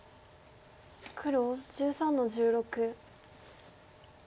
黒１３の十六。